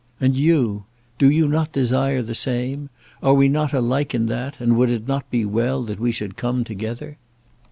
And you, do you not desire the same? Are we not alike in that, and would it not be well that we should come together?"